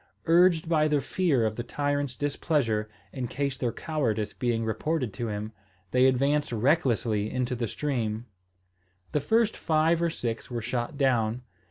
Urged by the fear of the tyrant's displeasure, in case their cowardice being reported to him, they advanced recklessly into the stream. The first five or six were shot down.